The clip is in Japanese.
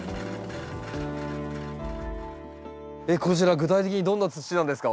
こちら具体的にどんな土なんですか？